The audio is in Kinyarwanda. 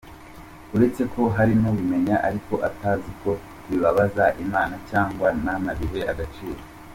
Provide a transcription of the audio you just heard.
Uretse ko hari n’ubimenya ariko atazi ko bibabaza Imanacyangwa ntanabihe agaciro.